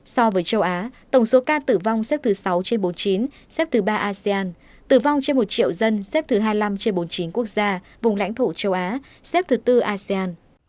so với châu á tổng số ca tử vong xếp thứ sáu trên bốn mươi chín xếp thứ ba asean tử vong trên một triệu dân xếp thứ hai mươi năm trên bốn mươi chín quốc gia vùng lãnh thổ châu á xếp thứ tư asean